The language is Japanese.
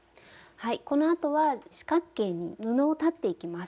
はいこのあとは四角形に布を裁っていきます。